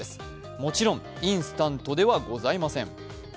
もちろんインスタントではございません。